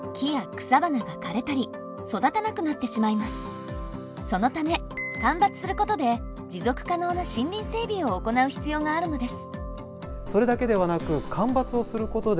実はそのため間伐することで持続可能な森林整備を行う必要があるのです。